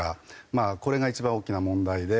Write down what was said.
まあこれが一番大きな問題で。